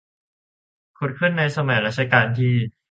ขุดขึ้นในสมัยรัชกาลที่